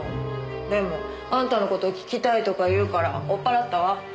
でもあんたの事を聞きたいとか言うから追っ払ったわ。